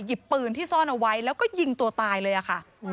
ปืนที่ซ่อนเอาไว้แล้วก็ยิงตัวตายเลยค่ะ